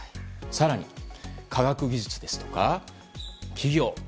更に、科学技術ですとか起業